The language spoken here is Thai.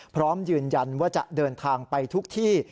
พร้อมยืนยันว่าจะเดินทางไปทุกที่